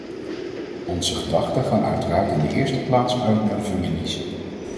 Onze gedachten gaan uiteraard in de eerste plaats uit naar de families.